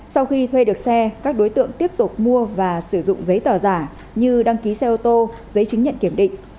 sau khi thuê được xe các đối tượng tiếp tục mua và sử dụng giấy tờ giả như đăng ký xe ô tô giấy chứng nhận kiểm định